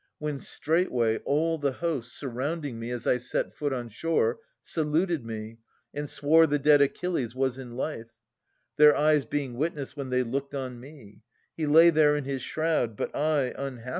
When straightway all the host, surrounding me As I set foot on shore, saluted me, And swore the dead Achilles was in life. Their eyes being witness, when they looked on me. He lay there in his shroud : but I, unhappy, ' Phoenix, the tutor of Achilles.